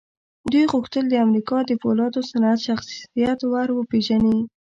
دوی غوښتل د امريکا د پولادو صنعت شخصيت ور وپېژني.